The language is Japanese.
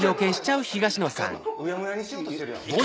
うやむやにしようとしてる。